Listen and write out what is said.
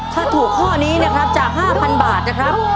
ถ้าถูกข้อนี้นะครับจาก๕๐๐บาทนะครับ